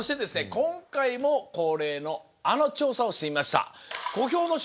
今回も恒例のあの調査をしてみました。